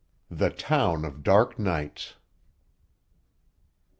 THE TOWN OF DARK NIGHTS.